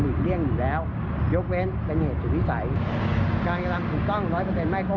ในเกียรติอ้างว่าคนร้ายจิงก่อนที่ไปดูก่อน